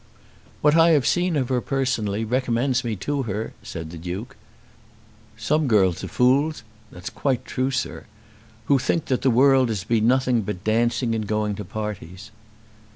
"What I have seen of her personally recommends her to me," said the Duke. "Some girls are fools " "That's quite true, sir." "Who think that the world is to be nothing but dancing, and going to parties."